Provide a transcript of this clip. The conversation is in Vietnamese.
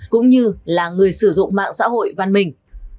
cũng như là người sử dụng mạng xã hội văn minh